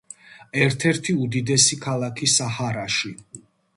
ერთ-ერთი უდიდესი ქალაქი საჰარაში.